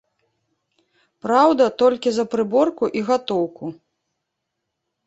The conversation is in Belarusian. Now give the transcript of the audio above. Праўда, толькі за прыборку і гатоўку.